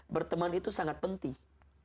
berteman itu sangat penting